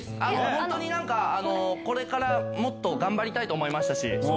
本当になんか、これからもっと頑張りたいと思いましたし。